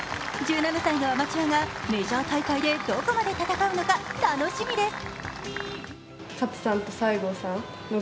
１７歳のアマチュアがメジャー大会でどこまで戦うのか楽しみです。